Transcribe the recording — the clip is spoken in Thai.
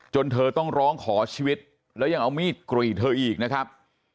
เธอต้องร้องขอชีวิตแล้วยังเอามีดกรีดเธออีกนะครับ